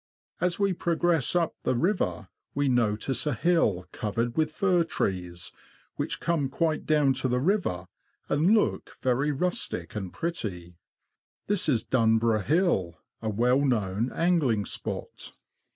As we progress .up the river, we notice a hill covered with fir trees, which come quite down to the river, and look very rustic and pretty. This is Dunburgh Hill, a well known angling spot.